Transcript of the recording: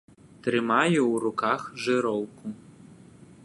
Трымаю ў руках жыроўку.